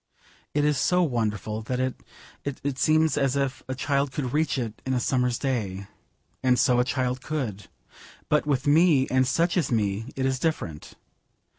It is so wonderful that it seems as if a child could reach it in a summer's day. And so a child could. But with me and such as me it is different.